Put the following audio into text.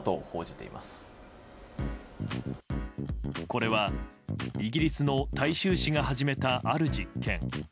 これは、イギリスの大衆紙が始めたある実験。